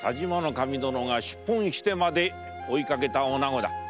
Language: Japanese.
守殿が出奔してまで追いかけたおなごだ。